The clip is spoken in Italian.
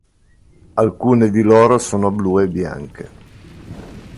Alcune di loro sono blu e bianche.